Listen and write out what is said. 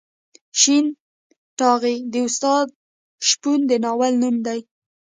شین ټاغی د استاد شپون د ناول نوم دی.